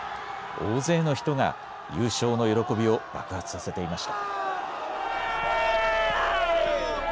大勢の人が優勝の喜びを爆発させていました。